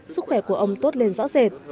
sức khỏe của ông tốt lên rõ rệt